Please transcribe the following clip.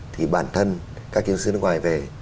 thì bản thân các kiến trúc sư nước ngoài về